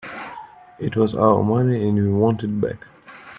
It was our money and we want it back.